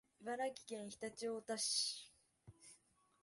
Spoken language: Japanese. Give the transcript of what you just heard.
茨城県常陸太田市